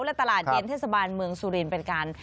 และตลาดเย็นเทศบาลเมืองสุรินทร์